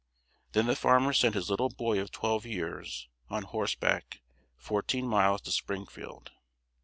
Then the farmer sent his little boy of twelve years, on horseback, fourteen miles to Springfield.